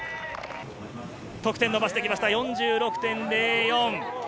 得点伸ばしてきました、４６．０４。